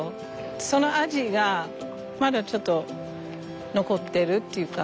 その味がまだちょっと残ってるっていうか。